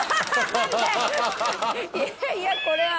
いやいやこれは。